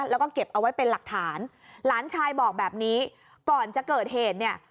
แล้วก็เก็บเอาไว้เป็นหลักฐานหลานชายบอกแบบนี้ก่อนจะเกิดเหตุเนี่ย